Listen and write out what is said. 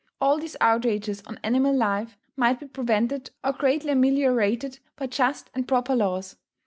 All these outrages on animal life might be prevented or greatly ameliorated by just and proper laws.